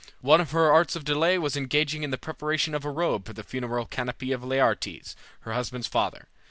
One of her arts of delay was engaging in the preparation of a robe for the funeral canopy of Laertes, her husband's father.